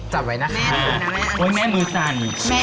จับไว้นะคะโอ๊ยแม่มือสั่น